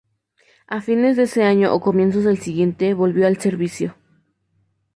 A fines de ese año o comienzos del siguiente volvió al servicio.